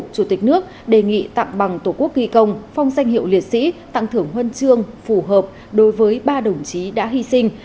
chủ tịch nước đề nghị tặng bằng tổ quốc ghi công phong danh hiệu liệt sĩ tặng thưởng huân chương phù hợp đối với ba đồng chí đã hy sinh